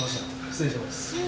失礼します。